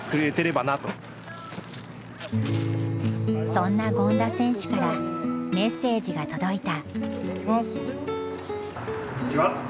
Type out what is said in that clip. そんな権田選手からメッセージが届いた。